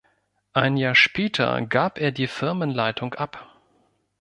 Ein Jahr später gab er die Firmenleitung ab.